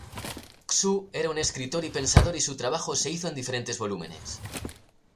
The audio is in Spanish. Xu era un escritor y pensador y su trabajo se hizo en diferentes volúmenes.